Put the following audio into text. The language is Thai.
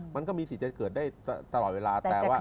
มันก็มีสิทธิ์ให้เกิดได้ตลอดเวลา